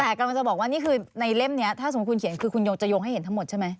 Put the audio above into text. แต่กำลังจะบอกว่านี่คือในเล่มนี้ถ้าสมมุติคุณเขียนคือคุณยงจะโยงให้เห็นทั้งหมดใช่ไหม